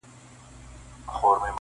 يوه زاړه- يوه تک تور- يوه غریب ربابي-